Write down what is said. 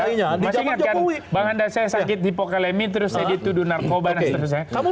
masih ingat kan bang handar saya sakit di pokelemi terus saya dituduh narkoba dan seterusnya